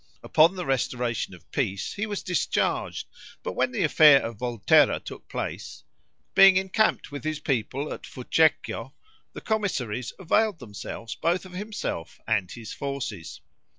Upon the restoration of peace he was discharged; but when the affair of Volterra took place, being encamped with his people at Fucecchio, the commissaries availed themselves both of himself and his forces.